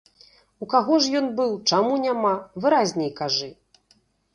У каго ж ён быў, чаму няма, выразней кажы.